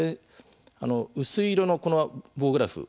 薄い色の棒グラフ